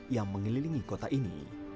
yang mengelilingi kota ini